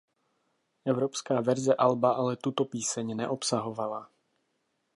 Evropská verze alba ale tuto píseň neobsahovala.